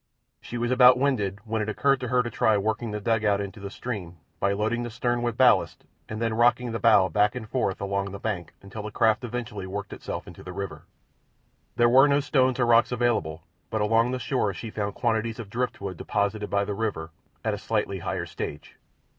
She was about winded when it occurred to her to try working the dugout into the stream by loading the stern with ballast and then rocking the bow back and forth along the bank until the craft eventually worked itself into the river. There were no stones or rocks available, but along the shore she found quantities of driftwood deposited by the river at a slightly higher stage.